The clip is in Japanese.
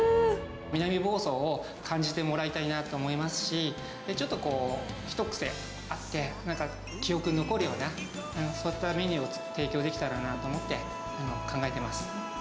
南房総を感じてもらいたいなと思いますし、ちょっとこう、一癖あって、なんか記憶に残るような、そういったメニューを提供できたらなと思って、今、考えてます。